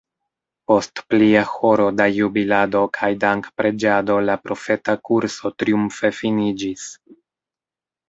Post plia horo da jubilado kaj dankpreĝado la profeta kurso triumfe finiĝis.